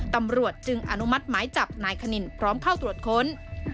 ตำรวจจึงอนุมัติหมายจับนายคณินพร้อมเข้าตรวจค้น